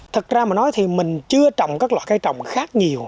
thật ra mà nói thì mình chưa trồng các loại cây trồng khác nhiều